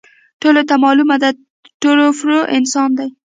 ټولو ته معلوم دی، ټرو پرو انسان دی.